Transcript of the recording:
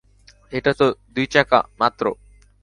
এটা তো দুই-চাকা মাত্র।